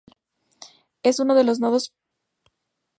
En uno de los modos podremos construir nuestro modelo.